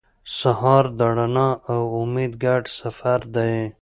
سهار د رڼا او امید ګډ سفر دی.